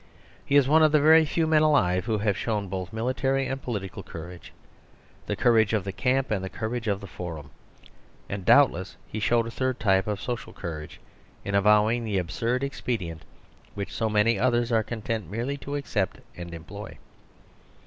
He is one of the very few men alive who have shown both military and political courage ; the cour age of the camp and the courage of the forum. And doubtless he showed a third type of so cial courage, in avowing the absurd expedi ent which so many others are content merely to accept and employ.